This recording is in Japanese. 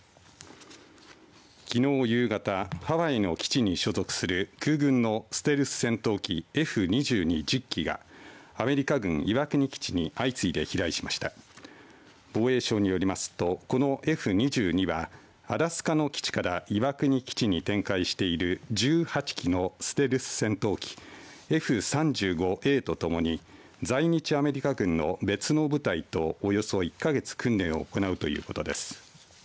きのう夕方ハワイの基地に所属する空軍のステルス戦闘機Ｆ２２１０機がアメリカ軍岩国基地に相次いで飛来しました防衛省によりますとこのＦ２２はアラスカの基地から岩国基地に展開している１８機のステルス戦闘機Ｆ３５Ａとともに在日アメリカ軍の別の部隊とおよそ１か月訓練を行うということです。